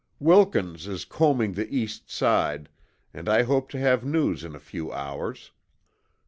Wilkins is combing the East Side and I hope to have news in a few hours.